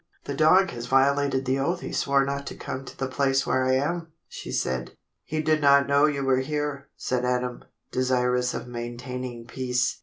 "The dog has violated the oath he swore not to come to the place where I am," she said. "He did not know you were here," said Adam, desirous of maintaining peace.